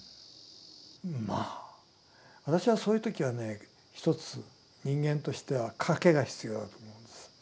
まあ私はそういう時はねひとつ人間としては賭けが必要だと思うんです。